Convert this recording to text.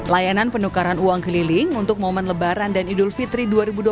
layanan penukaran uang keliling untuk momen lebaran dan idul fitri dua ribu dua puluh